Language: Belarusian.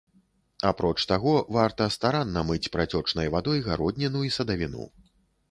Апроч таго, варта старанна мыць працёчнай вадой гародніну і садавіну.